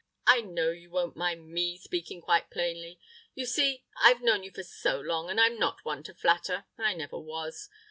I know you won't mind me speaking quite plainly; you see, I've known you for so long, and I'm not one to flatter, I never was.